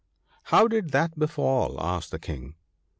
* How did that befall ?' asked the King.